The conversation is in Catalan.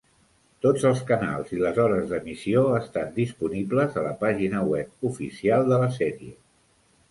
Tots els canals i les hores d"emissió estan disponibles a la pàgina web oficial de la sèrie.